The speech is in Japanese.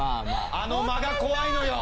あの間が怖いのよ。